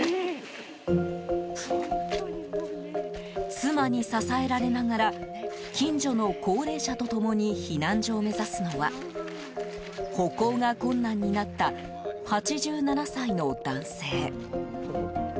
妻に支えられながら近所の高齢者と共に避難所を目指すのは歩行が困難になった８７歳の男性。